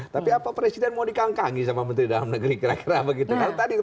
tapi apa presiden mau dikangkangi sama menteri dalam negeri kira kira begitu